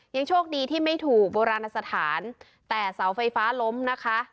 ยังโชคดีที่ไม่ถูกโบราณสถานแต่เสาไฟฟ้าล้มนะคะ